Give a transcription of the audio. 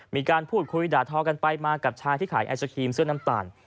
มีการพูดคุยด่าทอกันไปมากับชายที่ขายไอศครีมเสื้อน้ำตาล